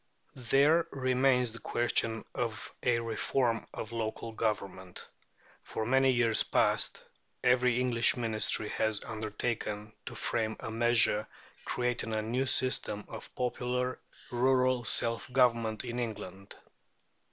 There remains the question of a reform of local government. For many years past, every English Ministry has undertaken to frame a measure creating a new system of popular rural self government in England.